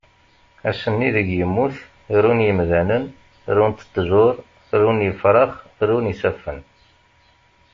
Ass-nni deg yemmut run yemdanen, runt tjuṛ, run ifrax, run isaffen.